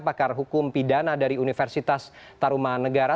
pakar hukum pidana dari universitas taruman negara